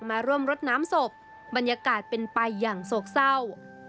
มาร่วมรดน้ำศพบรรยากาศเป็นไปอย่างโศกเศร้า